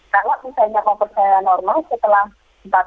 kalau misalnya kalau persaingan normal setelah